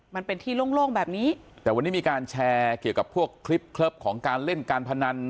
มันเป็นที่โล่งโล่งแบบนี้แต่วันนี้มีการแชร์เกี่ยวกับพวกคลิปเคลับของการเล่นการพนัน